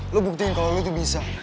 lo buktiin kalau lo itu bisa